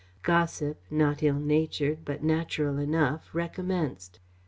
Gossip, not ill natured, but natural enough, recommenced.